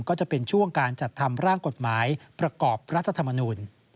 ก็จะเป็นช่วงการจัดทำร่างกฎหมายประกอบรัฐธรรมนูล